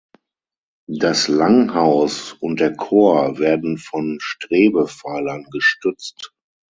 Das Langhaus und der Chor werden von Strebepfeilern gestützt.